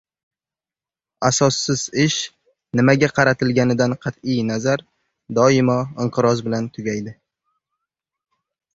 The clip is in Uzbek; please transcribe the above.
Asossiz ish, nimaga qaratilganidan qat’i nazar, doimo inqiroz bilan tugaydi.